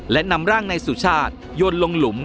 และนำร่างนายสุชาติยนลงหลุม